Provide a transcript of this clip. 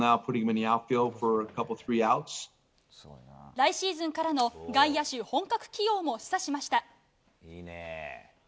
来シーズンからの外野手本格起用も示唆しました。